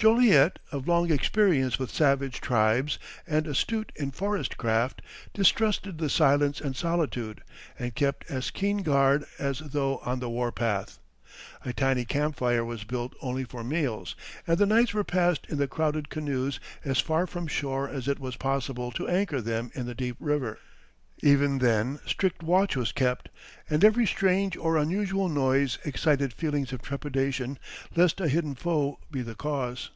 Joliet, of long experience with savage tribes, and astute in forest craft, distrusted the silence and solitude, and kept as keen guard as though on the war path. A tiny camp fire was built only for meals, and the nights were passed in the crowded canoes as far from shore as it was possible to anchor them in the deep river. Even then strict watch was kept, and every strange or unusual noise excited feelings of trepidation lest a hidden foe be the cause.